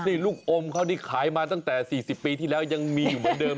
นี่ลูกอมเขานี่ขายมาตั้งแต่๔๐ปีที่แล้วยังมีอยู่เหมือนเดิม